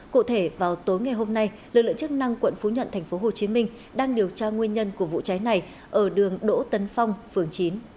cụ thể vào tối ngày hôm nay lực lượng chức năng quận phú nhuận tp hcm đang điều tra nguyên nhân của vụ cháy này ở đường đỗ tấn phong phường chín